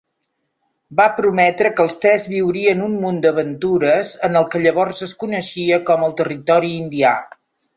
Va prometre que els tres viurien un munt d'aventures en el que llavors es coneixia com el Territori Indià.